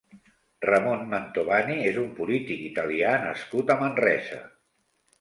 Ramon Mantovani és un polític italià nascut a Manresa.